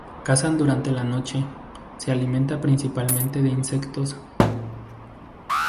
Cazan durante la noche, se alimenta principalmente de insectos.